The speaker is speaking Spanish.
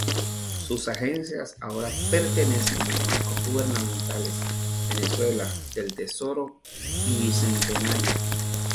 Sus agencias ahora pertenecen a los bancos gubernamentales: Venezuela, Del Tesoro y Bicentenario.